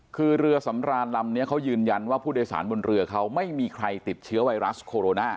คือเรือสำรานลำนี้เขายืนยันว่าผู้โดยสารบนเรือเขาไม่มีใครติดเชื้อไวรัสโคโรนา